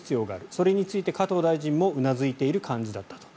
それに対して加藤大臣もうなずいている感じだったと。